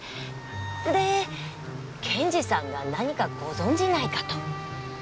で検事さんが何かご存じないかと。